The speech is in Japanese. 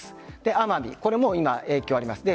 奄美、これも影響あります。